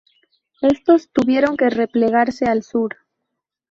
Estos tuvieron que replegarse al sur.